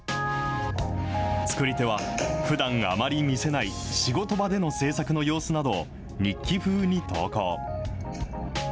作り手は、ふだんあまり見せない仕事場での製作の様子などを日記風に投稿。